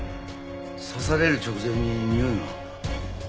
刺される直前ににおいが。